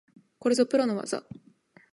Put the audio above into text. これぞプロの技